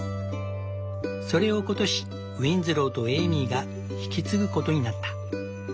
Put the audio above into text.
それを今年ウィンズローとエイミーが引き継ぐことになった。